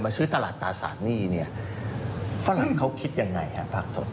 มาซื้อตลาดตาสารหนี้เนี้ยฝรั่งเขาคิดยังไงฮะพักธนตร์